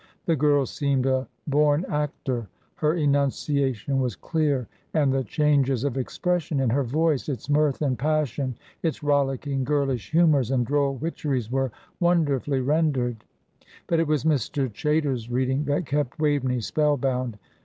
The girl seemed a born actor. Her enunciation was clear, and the changes of expression in her voice, its mirth and passion, its rollicking, girlish humours and droll witcheries, were wonderfully rendered. But it was Mr. Chaytor's reading that kept Waveney spell bound.